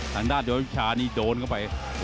ทางด้านยอดวิชานี่โดนเข้าไป